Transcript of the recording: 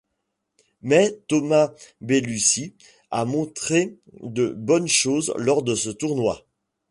Mais Thomaz Bellucci a montré de bonnes choses lors de ce tournoi.